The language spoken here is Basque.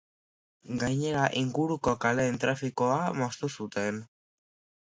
Gainera, inguruko kaleen trafikoa moztu zuten.